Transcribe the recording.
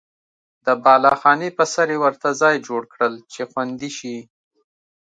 د بالاخانې په سر یې ورته ځای جوړ کړل چې خوندي شي.